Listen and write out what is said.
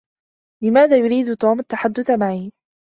لماذا يريد توم التحدث معي؟